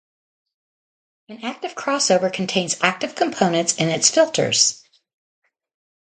An active crossover contains active components in its filters.